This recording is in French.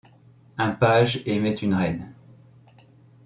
Un page aimait une reine…